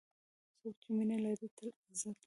څوک چې مینه لري، تل عزت لري.